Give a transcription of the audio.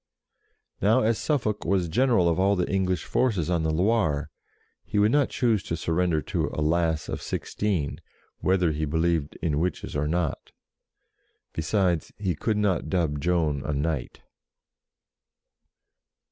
Now, as Suffolk was general of all the English forces on the Loire, he would not choose to sur render to a lass of sixteen, whether he believed in witches or not Besides, he could not dub Joan a knight.